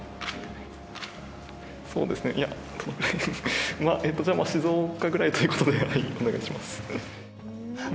そうですね、いや、まあ、じゃあ、静岡ぐらいということでお願いします。